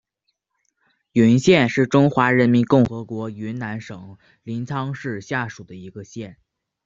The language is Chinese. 云县是中华人民共和国云南省临沧市下属的一个县。